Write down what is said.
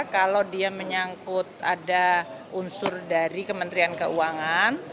kalau dia menyangkut ada unsur dari kementerian keuangan